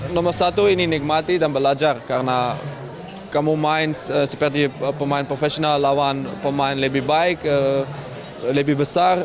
nomor satu ini nikmati dan belajar karena kamu main seperti pemain profesional lawan pemain lebih baik lebih besar